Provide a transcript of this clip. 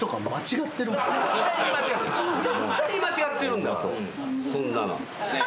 絶対に間違ってるんだからそんなの。